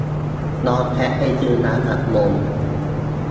น้องแพทไปซื้อน้ำอัดลม